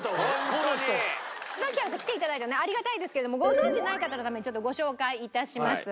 椿原さん来て頂いてねありがたいんですけどもご存じない方のためにちょっとご紹介致します。